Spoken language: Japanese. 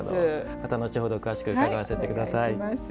また後ほど詳しく伺わせてください。